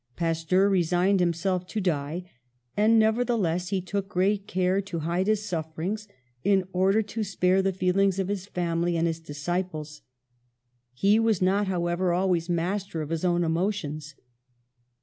Pasteur resigned himself to die, and neverthe less he took great care to hide his sufferings, in order to spare the feelings of his family and his disciples. He was not, however, always master of his own emotions.